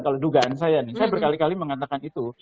kalau dugaan saya nih saya berkali kali mengatakan itu